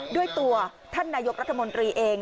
ด้วยตัวท่านนายกรัฐมนตรีเอง